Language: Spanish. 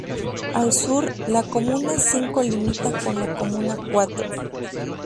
Al sur, la comuna cinco limita con la comuna cuatro.